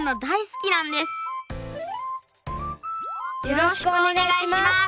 よろしくお願いします！